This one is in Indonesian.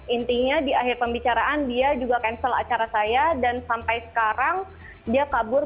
intinya di akhir pembicaraan dia juga cancel acara saya dan sampai sekarang dia kabur